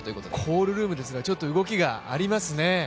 コールルームですが、ちょっと動きがありますね。